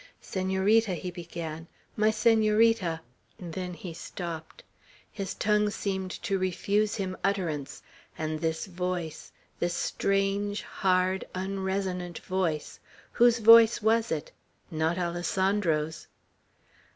"Senorita," he said, "my Senorita!" Then he stopped. His tongue seemed to refuse him utterance; and this voice, this strange, hard, unresonant voice, whose voice was it? Not Alessandro's.